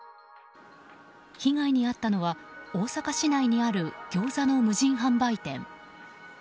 被害に遭ったのは大阪市内にあるギョーザの無人販売店。